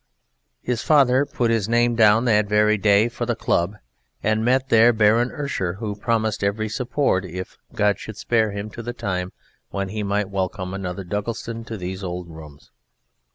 His father put his name down that very day for the Club and met there Baron Urscher, who promised every support "if God should spare him to the time when he might welcome another Duggleton to these old rooms."